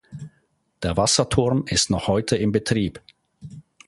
Der Wasserturm ist noch heute in Betrieb.